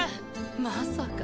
まさか。